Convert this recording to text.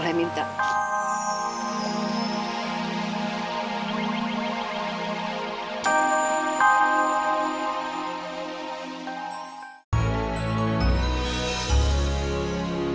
nanti kita berusaha banyak lagi